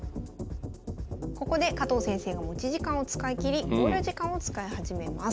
ここで加藤先生が持ち時間を使い切り考慮時間を使い始めます。